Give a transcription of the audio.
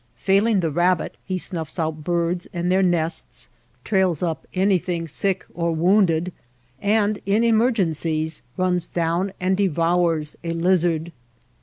Failing the rabbit he snuffs out birds and their nests, trails up anything sick or wounded, and in emer gencies runs down and devours a lizard.